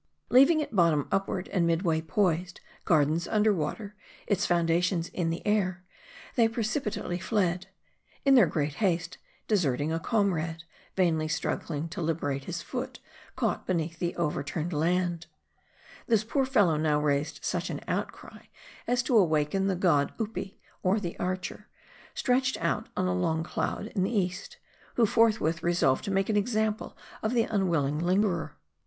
Leaving it bottom upward and midway poised, gardens under water, its foundations in air, they precipitately fled ; in their great haste, deserting a comrade, vainly strug gling to liberate his foot caught beneath the overturned land. MARDI. 249 " This poor fellow now raised such an outcry, as to awaken the god Upi, or the Archer, stretched out on a long cloud in the East ; who forthwith resolved to make an example of the unwilling lingerer.